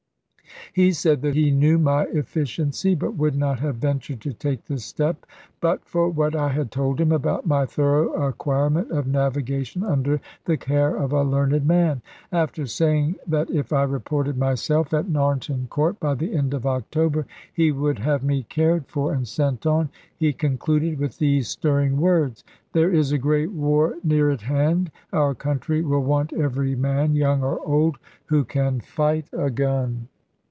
He said that he knew my efficiency, but would not have ventured to take this step but for what I had told him about my thorough acquirement of navigation under the care of a learned man. After saying that if I reported myself at Narnton Court by the end of October he would have me cared for and sent on, he concluded with these stirring words: "There is a great war near at hand; our country will want every man, young or old, who can fight a gun."